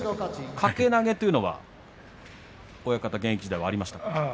掛け投げというのは現役時代ありましたか。